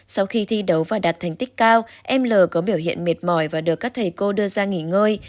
sau khi thi đấu và đạt thành tích cao em l có biểu hiện mệt mỏi và được các thầy cô đưa ra nghỉ ngơi